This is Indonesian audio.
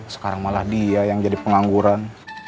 sekarang malah dia yang jadi pengangguran